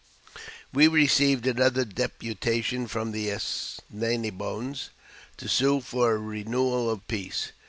WE received another deputation from the As ne boines to sue for a renewal of peace.